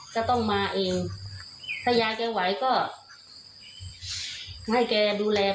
ก็ต้องมาเองถ้ายายแกไหวก็ให้แกดูแล